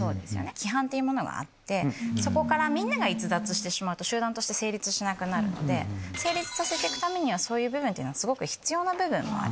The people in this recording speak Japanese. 規範というものがあってそこからみんなが逸脱してしまうと集団として成立しなくなるので成立させて行くためにはそういう部分っていうのはすごく必要な部分もある。